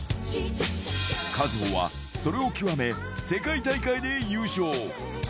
カズホはそれを究め、世界大会で優勝。